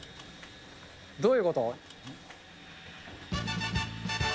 どういうこと？